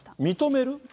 認める？